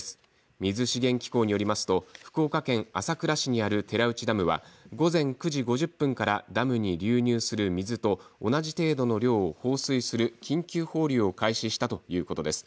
水資源機構によりますと福岡県朝倉市にある寺内ダムは午前９時５０分からダムに流入する水と同じ程度の量を放水する緊急放流を開始したということです。